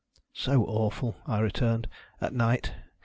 " So awful," I returned, " at night.